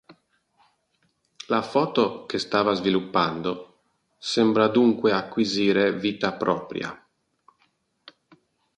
La foto che stava sviluppando sembra dunque acquisire vita propria.